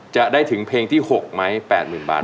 จะได้ถึงเพลงที่๖ไหม๘๐๐๐บาท